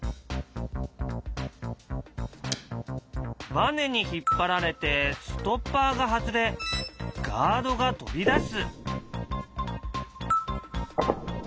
バネに引っ張られてストッパーが外れガードが飛び出す。